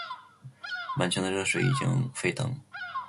满腔的热血已经沸腾，